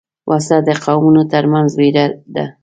وسله د قومونو تر منځ وېره ده